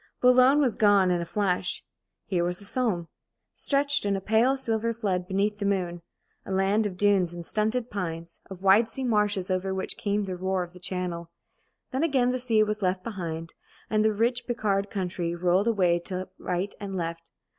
Boulogne was gone in a flash. Here was the Somme, stretched in a pale silver flood beneath the moon a land of dunes and stunted pines, of wide sea marshes, over which came the roar of the Channel. Then again the sea was left behind, and the rich Picard country rolled away to right and left.